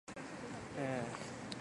まだですかー